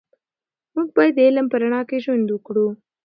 موږ باید د علم په رڼا کې ژوند وکړو.